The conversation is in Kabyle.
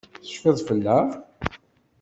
Tecfiḍ fell-aɣ?